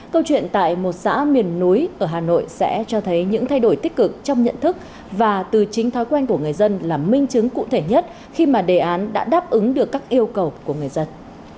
câu chuyện tại một xã miền núi ở hà nội sẽ cho thấy những thay đổi tích cực trong nhận thức và từ chính thói quen của người dân là minh chứng cụ thể nhất khi mà đề án đã đáp ứng được các yêu cầu của người dân